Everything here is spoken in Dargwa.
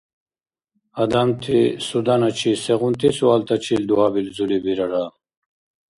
Адамти суданачи сегъунти суалтачил дугьабилзули бирара?